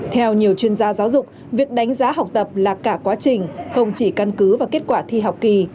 theo nhiều chuyên gia giáo dục việc đánh giá học tập là cả quá trình không chỉ căn cứ và kết quả thi học kỳ